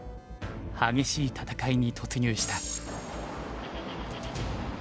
激しい戦いに突入した。